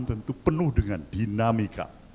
tentu penuh dengan dinamika